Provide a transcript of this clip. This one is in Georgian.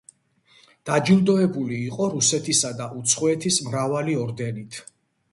დაჯილდოებული იყო რუსეთისა და უცხოეთის მრავალი ორდენით.